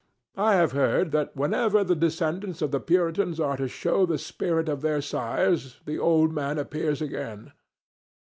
I have heard that whenever the descendants of the Puritans are to show the spirit of their sires the old man appears again.